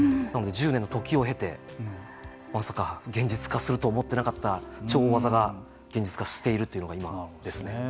なので１０年のときを経てまさか現実化すると思ってなかった超大技が現実化しているのが今ですね。